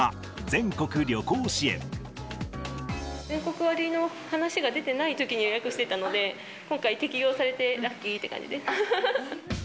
全国割の話が出てないときに予約してたので、今回、適用されてラッキーって感じです。